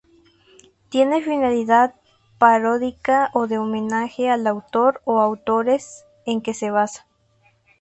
Tiene finalidad paródica o de homenaje al autor o autores en que se basa.